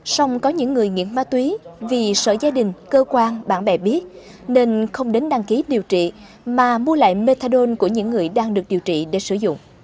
xong có những người nghiện ma túy vì sợ gia đình cơ quan bạn bè biết nên không đến đăng ký điều trị mà mua lại methadone của những người đang được điều trị để sử dụng